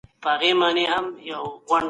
ژوند د غلطیو ښوونکی